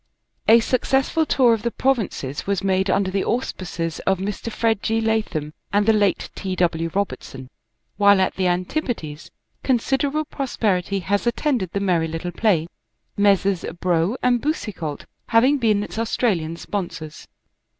A successful tour of the provinces was made under the auspices of Mr. Fred G. Latham and the late T. W. Robertson, while at the Antipodes considerable pros perity has attended the merry little play, Messrs. Brough and Boucicault having been its Australian sponsors.